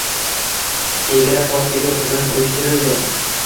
Chegara postiga hujum uyushtirildi